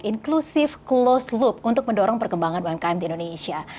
inklusif close loop untuk mendorong perkembangan umkm di indonesia